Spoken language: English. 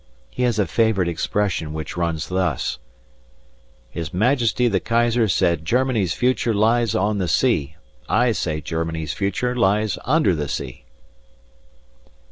He has a favourite expression which runs thus: "His Majesty the Kaiser said Germany's future lies on the sea; I say Germany's future lies under the sea."